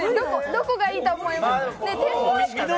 どこがいいと思います？